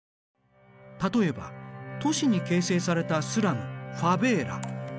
例えば都市に形成されたスラムファベーラ。